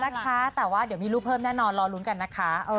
นะคะแต่ว่าเดี๋ยวมีรูปเพิ่มแน่นอนรอลุ้นกันนะคะ